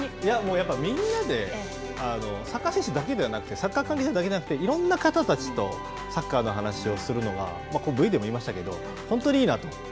みんなで、サッカー選手だけではなくて、サッカー関係者だけではなくて、いろんな方たちとサッカーの話をするのが、Ｖでも言いましたけど、本当にいいなと思って。